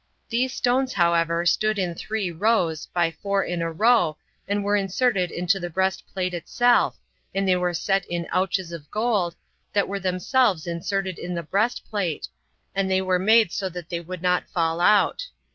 These stones, however, stood in three rows, by four in a row, and were inserted into the breastplate itself, and they were set in ouches of gold, that were themselves inserted in the breastplate, and were so made that they might not fall out.